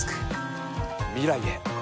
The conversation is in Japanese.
未来へ。